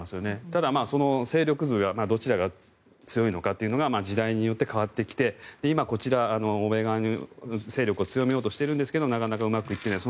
ただ、勢力図がどちらが強いのかというのが時代によって変わってきて今、こちら、欧米側の勢力を強めようとしているんですがなかなかうまくいっていない。